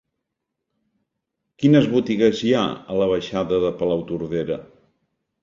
Quines botigues hi ha a la baixada de Palautordera?